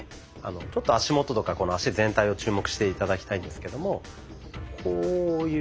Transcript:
ちょっと足元とか脚全体を注目して頂きたいんですけどもこういう。